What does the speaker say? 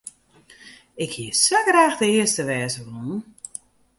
Ik hie sa graach de earste wêze wollen.